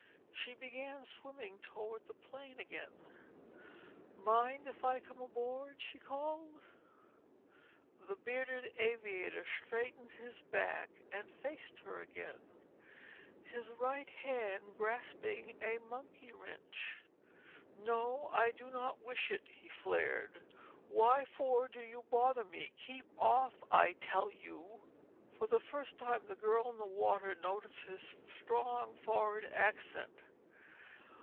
She began swimming toward the plane again. "Mind if I come aboard?" she called. The bearded aviator straightened his back and faced her again, his right hand grasping a monkey wrench. "No. I do not wish it," he flared. "Why for do you bother me? Keep off, I tell you." For the first time, the girl in the water noticed his strong foreign accent.